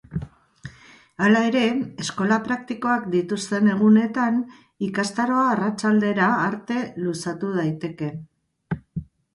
Hala ere, eskola praktikoak dituzten egunetan ikastaroa arratsaldera arte luzatu daiteke.